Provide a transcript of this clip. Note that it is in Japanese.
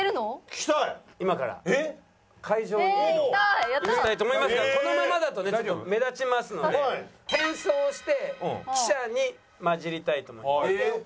今から会場に行きたいと思いますがこのままだとねちょっと目立ちますので変装して記者に交じりたいと思います。